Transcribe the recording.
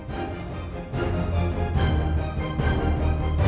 bisa diselesaikan secara hati ke hati